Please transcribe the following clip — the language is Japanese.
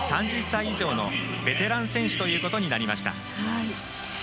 ３０歳以上のベテラン選手となりました。